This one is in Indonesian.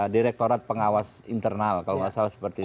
direktorat pengawas internal kalau nggak salah seperti itu